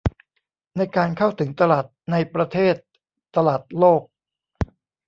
ในการเข้าถึงตลาดในประเทศ ตลาดโลก